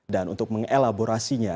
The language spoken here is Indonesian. dan untuk mengelaborasinya